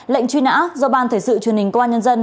lệnh truy nã do ban thể sự truyền hình công an nhân dân